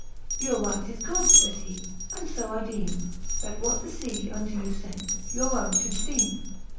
Your right is good, fayd he, and fo I deemc. That what the fea unto you fent, your owne fhould feeme.